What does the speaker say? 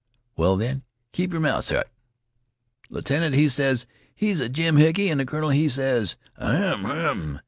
Well, then, keep yer mouth shet. Th' lieutenant, he ses: 'He's a jimhickey,' an' th' colonel, he ses: 'Ahem! ahem!